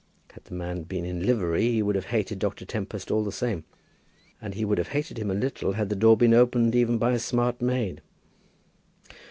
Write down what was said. Had the man been in livery he would have hated Dr. Tempest all the same. And he would have hated him a little had the door been opened even by a smart maid.